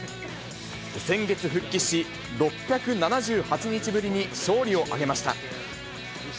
先月復帰し、６７８日ぶりに勝利を挙げました。